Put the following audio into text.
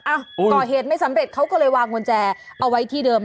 ก่อเหตุไม่สำเร็จเขาก็เลยวางกุญแจเอาไว้ที่เดิม